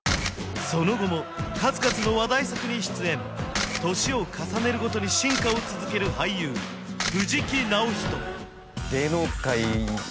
その後も数々の話題作に出演年を重ねるごとに進化を続ける俳優藤木直人